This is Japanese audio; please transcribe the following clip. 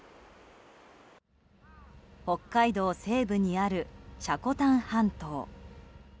北海道西部にある積丹半島。